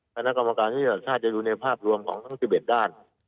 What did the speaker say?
คณะกรรมการยุทธศาสตร์ชาติจะดูในภาพรวมของทั้ง๑๑ด้าน